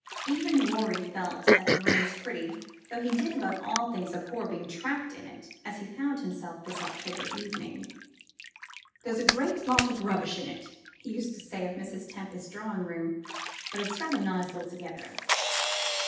Even Rorie felt that the room was pretty, though he did above all things abhor to be trapped in it, as he found himself this October evening. "There's a great lot of rubbish in it," he used to say of Mrs. Tempest's drawing room, "but it's rather nice altogether."